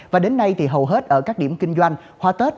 và đến nay thì hầu hết ở các điểm kinh doanh hoa tết